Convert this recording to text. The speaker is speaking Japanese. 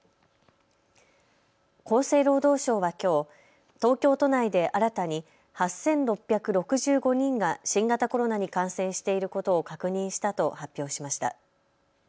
厚生労働省はきょう東京都内で新たに８６６５人が新型コロナに感染していることを確認したと発表しました。